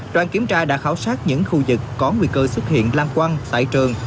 đoàn kiểm tra đã khảo sát những khu vực có nguy cơ xuất hiện lan quăng tại trường